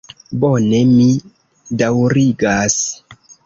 Bone, mi daŭrigas.